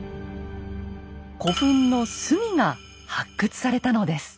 古墳の隅が発掘されたのです。